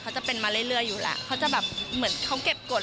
เขาจะเป็นมาเรื่อยอยู่แหละเขาจะแบบเหมือนเขาเก็บกฎ